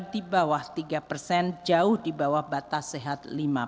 di bawah tiga persen jauh di bawah batas sehat lima